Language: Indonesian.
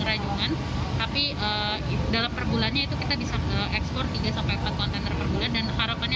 rajungan tapi dalam perbulannya itu kita bisa ekspor tiga empat kontainer perbulan dan harapannya